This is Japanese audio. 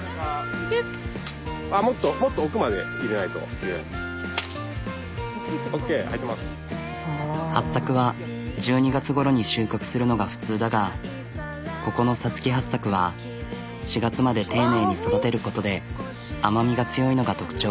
あっもっとハッサクは１２月ごろに収穫するのが普通だがここのさつきハッサクは４月まで丁寧に育てることで甘みが強いのが特徴。